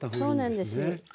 そうなんです。